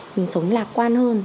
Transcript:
mình sống lạc quan hơn